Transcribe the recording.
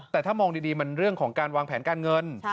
แต่ถ้ามองดีมันเรื่องของการวางแผนการเงิน